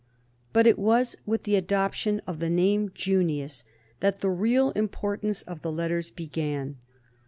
But it was with the adoption of the name of Junius that the real importance of the letters began.